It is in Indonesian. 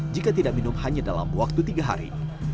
jika tidak minum hanya dalam waktu tiga hari